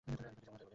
আমি তো ঐ কথাই বলি।